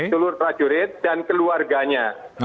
seluruh prajurit dan keluarganya